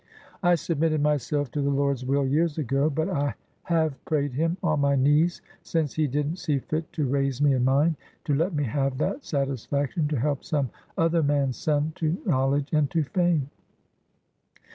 I submitted myself to the Lord's will years ago; but I have prayed Him, on my knees, since He didn't see fit to raise me and mine, to let me have that satisfaction to help some other man's son to knowledge and to fame.